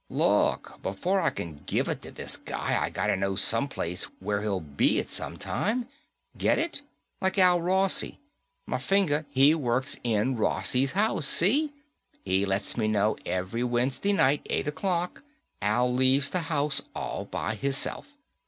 "Look, before I can give it to this guy I gotta know some place where he'll be at some time. Get it? Like Al Rossi. My finger, he works in Rossi's house, see? He lets me know every Wednesday night, eight o'clock, Al leaves the house all by hisself.